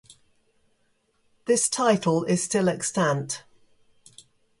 This title is still extant.